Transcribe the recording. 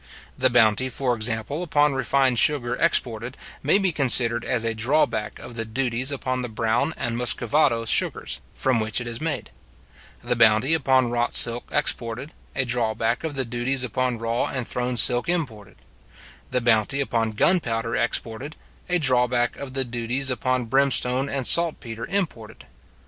The bounty, for example, upon refined sugar exported, may be considered as a drawback of the duties upon the brown and Muscovado sugars, from which it is made; the bounty upon wrought silk exported, a drawback of the duties upon raw and thrown silk imported; the bounty upon gunpowder exported, a drawback of the duties upon brimstone and saltpetre imported.